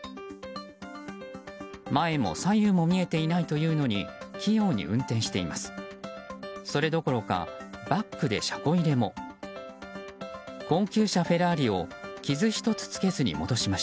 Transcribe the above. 前も左右も見えていないのに器用に運転しています。